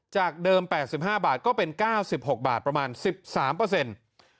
จากเดิม๘๕บาทก็เป็น๙๖บาทประมาณ๑๓เปอร์เซ็นต์